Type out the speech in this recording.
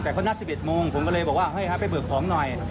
แต่เขานัด๑๑โมงผมก็เลยบอกว่าเฮ้ยครับไปเบิกของหน่อย